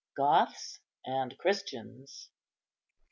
GOTHS AND CHRISTIANS.